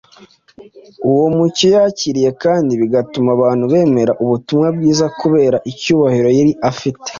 uwo mucyo yakiriye kandi bigatuma abantu bemera ubutumwa bwiza kubera icyubahiro yari afite.